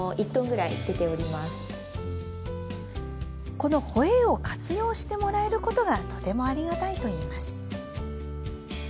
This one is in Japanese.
このホエーを活用してもらえることがとてもありがたいといいます。